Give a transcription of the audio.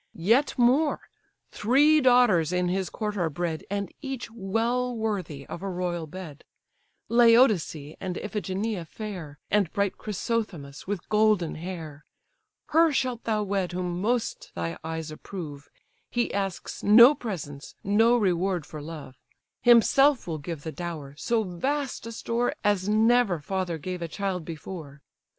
Yet more—three daughters in his court are bred, And each well worthy of a royal bed: Laodice and Iphigenia fair, And bright Chrysothemis with golden hair: Her shalt thou wed whom most thy eyes approve; He asks no presents, no reward for love: Himself will give the dower; so vast a store As never father gave a child before.